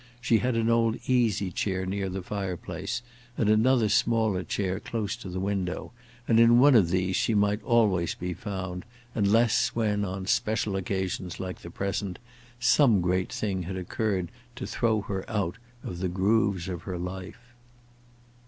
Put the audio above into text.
She had an old easy chair near the fireplace, and another smaller chair close to the window, and in one of these she might always be found, unless when, on special occasions like the present, some great thing had occurred to throw her out of the grooves of her life.